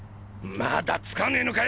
まだ着かねぇのかよ